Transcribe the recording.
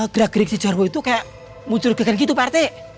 gerak gerik si jarwo itu kayak muncul gitu pak rt